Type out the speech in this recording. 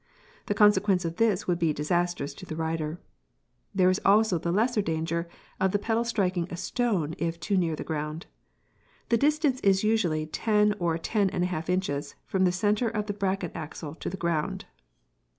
The consequence of this would be disastrous to the rider. There is also the lesser danger of the pedal striking a stone if too near the ground. The usual distance is about ten or ten and a half inches from the centre of bracket axle to the ground.